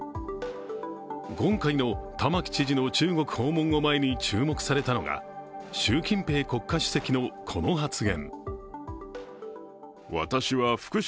今回の玉城知事の中国訪問を前に注目されたのが習近平国家主席の、この発言。